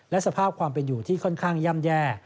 และสภาพความเป็นอยู่ที่ค่อนข้างย่ำแย่